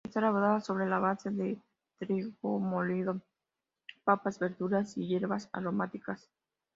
Es elaborada sobre la base de trigo molido, papas, verduras y hierbas aromáticas.